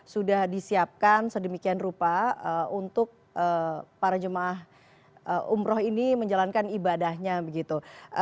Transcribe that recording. sudah disiapkan sedemikian rupa untuk para jemaah umroh ini menjalankan ibadahnya begitu